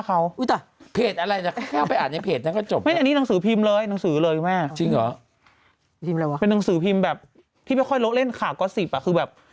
ก็ค่อยเล่นข่าก็อสซิบอ่ะคือแบบ